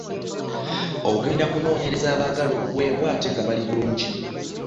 Ogenda okunoonyereza abaagala okuweebwa ng'ate bali bulungi.